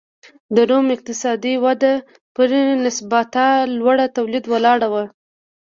د روم اقتصادي وده پر نسبتا لوړ تولید ولاړه وه